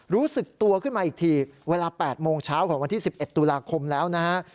รู้สึกตัวขึ้นมาอีกทีเวลา๘โมงเช้าของวันที่๑๑ตุลาคมแล้วนะฮะ